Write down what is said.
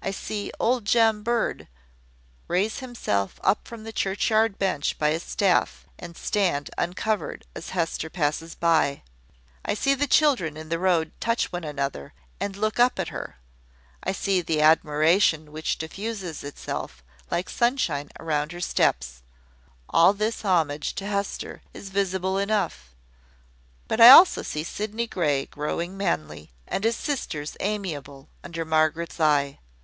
I see old Jem Bird raise himself up from the churchyard bench by his staff, and stand uncovered as Hester passes by; I see the children in the road touch one another, and look up at her; I see the admiration which diffuses itself like sunshine around her steps: all this homage to Hester is visible enough. But I also see Sydney Grey growing manly, and his sisters amiable, under Margaret's eye.